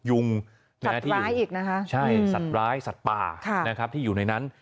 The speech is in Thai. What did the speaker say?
ยุงสัตว์ร้ายอีกนะครับใช่สัตว์ร้ายสัตว์ป่านะครับที่อยู่ในนั้น